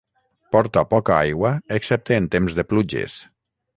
Porta poca aigua excepte en temps de pluges.